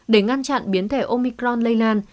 để ngăn chặn biến thể omicron lây lan